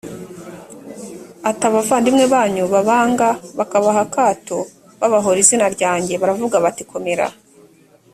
ati abavandimwe banyu babanga bakabaha akato babahora izina ryanjye baravuze bati komera